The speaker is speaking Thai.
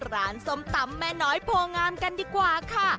ส้มตำแม่น้อยโพงามกันดีกว่าค่ะ